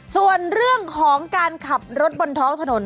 ส่วนเรื่องของการขับรถบนท้องถนน